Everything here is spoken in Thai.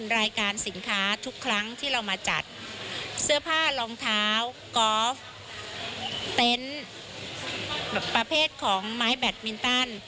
รายการสินค้าทุกครั้งที่เรามาจัดเสื้อผ้ารองเท้ากอล์ฟเต็นต์ประเภทของไม้แบตมินตัน